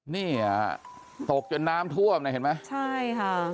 นี้อะตกจนน้ำท่วมเห็นไหม